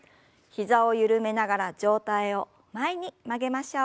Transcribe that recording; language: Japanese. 膝を緩めながら上体を前に曲げましょう。